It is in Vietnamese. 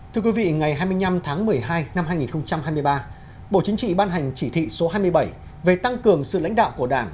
thưa quý vị ngày hai mươi năm tháng một mươi hai năm hai nghìn hai mươi ba bộ chính trị ban hành chỉ thị số hai mươi bảy về tăng cường sự lãnh đạo của đảng